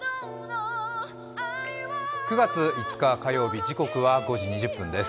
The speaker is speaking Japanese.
９月５日火曜日、時刻は５時２０分です。